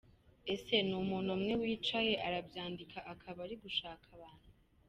ese ni umuntu umwe wicaye arabyandika akaba ari gushaka abantu??